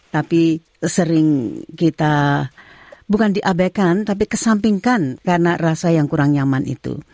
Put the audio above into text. tapi sering kita bukan diabaikan tapi kesampingkan karena rasa yang kurang nyaman itu